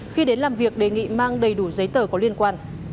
khi đến làm việc đề nghị mang đầy đủ giấy tờ có liên quan